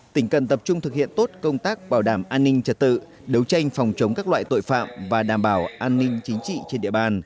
tỉnh cần tập trung thực hiện tốt công tác bảo đảm an ninh trật tự đấu tranh phòng chống các loại tội phạm và đảm bảo an ninh chính trị trên địa bàn